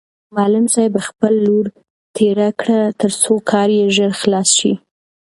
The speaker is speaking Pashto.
معلم صاحب خپل لور تېره کړ ترڅو کار یې ژر خلاص شي.